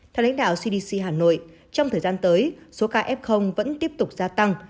theo lãnh đạo cdc hà nội trong thời gian tới số ca f vẫn tiếp tục gia tăng